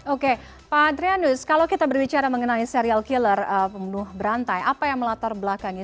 oke pak adrianus kalau kita berbicara mengenai serial killer pembunuh berantai apa yang melatar belakangnya